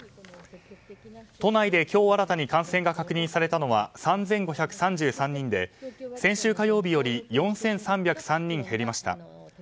都内で今日新たに感染が確認されたのは３５３３人で先週火曜日より４３０３人減りました。